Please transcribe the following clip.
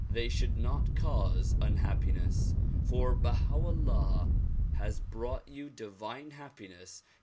They should not cause unhappiness, for Baha 'Ullaii has brought you divine happiness.